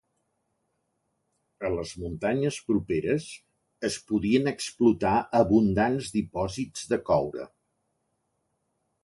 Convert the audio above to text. A les muntanyes properes es podien explotar abundants dipòsits de coure.